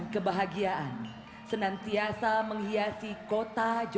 kepala staff angkatan